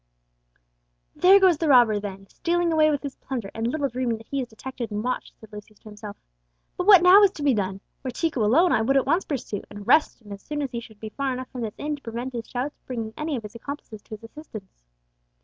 "There goes the robber, then, stealing away with his plunder, and little dreaming that he is detected and watched!" said Lucius to himself. "But what now is to be done? Were Chico alone I would at once pursue, and arrest him as soon as he should be far enough from this inn to prevent his shouts bringing any of his accomplices to his assistance.